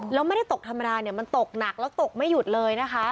แล้วไม่ได้ตกธรรมดาเนี่ยมันตกหนักแล้วตกไม่หยุดเลยนะคะ